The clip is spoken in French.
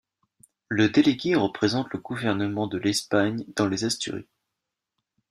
Le délégué représente le gouvernement de l'Espagne dans les Asturies.